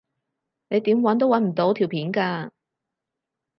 你點搵都搵唔到條片㗎